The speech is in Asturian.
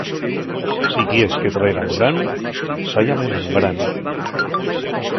Si quies que traiga en branu, sállame en granu.